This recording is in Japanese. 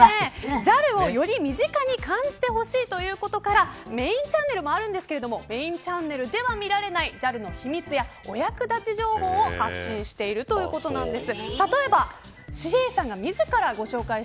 ＪＡＬをより身近に感じてほしいということからメーンチャンネルもあるんですけどメーンチャンネルでは見られないＪＡＬの秘密やお役立ち情報を発信しているということなんです。